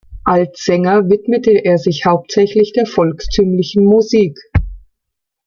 Als Sänger widmete er sich hauptsächlich der volkstümlichen Musik.